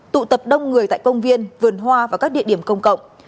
tụ tập đông người tại công viên vườn hoa và các địa điểm công cộng